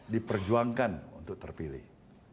diperjuangkan untuk terpilih